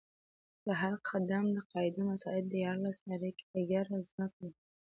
د هرم د قاعدې مساحت دیارلس ایکړه ځمکه ده.